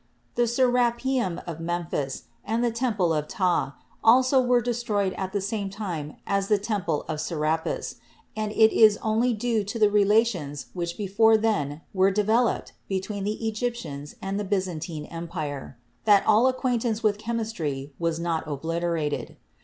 The Serapeum of Memphis and the Temple of Ptah also were destroyed at the same time as the Temple of Serapis, and it is only due to the rela tions which before then were developed between the Egyp tians and the Byzantine Empire that all acquaintance with 28 CHEMISTRY chemistry was not obliterated.